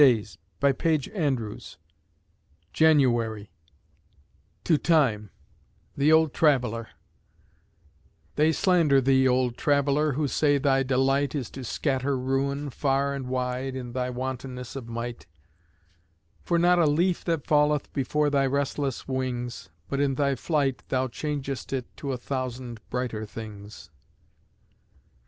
MATTHEW PAGE ANDREWS January TO TIME, THE OLD TRAVELER They slander thee, Old Traveler, Who say that thy delight Is to scatter ruin, far and wide, In thy wantonness of might: For not a leaf that falleth Before thy restless wings, But in thy flight, thou changest it To a thousand brighter things.